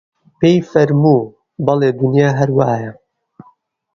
پێی فەرموو: بەڵێ دونیا هەر وایە